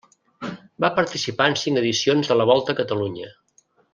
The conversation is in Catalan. Va participar en cinc edicions de la Volta a Catalunya.